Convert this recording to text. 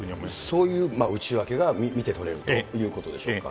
そういう内訳が見て取れるということでしょうか。